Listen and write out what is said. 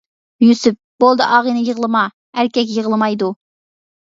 يۈسۈپ: بولدى ئاغىنە يىغلىما، ئەركەك يىغلىمايدۇ.